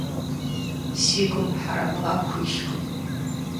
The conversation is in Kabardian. Си гум хьэрэмыгъэ пхуилъкъым.